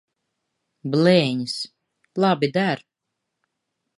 Blēņas! Labi der.